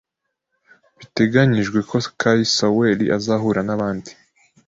Biteganyijwe ko Kai Sauer azahura n’abandi